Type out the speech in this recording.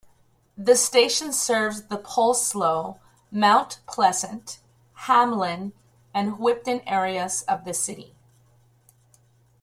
The station serves the Polsloe, Mount Pleasant, Hamlin and Whipton areas of the city.